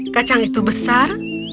kacang itu besar